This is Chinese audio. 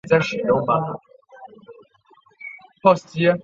世界图书之都共同评选而出。